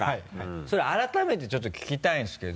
それ改めてちょっと聞きたいんですけど。